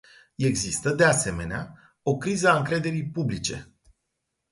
Există, de asemenea, o criză a încrederii publice.